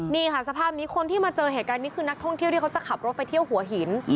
นี่ค่ะสภาพนี้คนที่มาเจอเหตุการณ์นี้คือนักท่องเที่ยวที่เขาจะขับรถไปเที่ยวหัวหิน